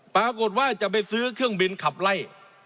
ปรากฏว่าจะไปซื้อเครื่องบินขับไล่